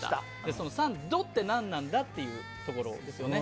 その３度って何なんだってところですよね。